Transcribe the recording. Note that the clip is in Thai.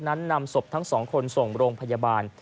นำศพทั้งสองคนส่งโรงพยาบาล